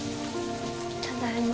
ただいま